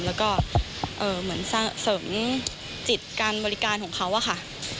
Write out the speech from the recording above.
แล้วก็เหมือนเสริมจิตการบริการของเขาอะค่ะ